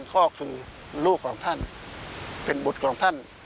ข้อคือลูกของท่านเป็นบุตรของท่าน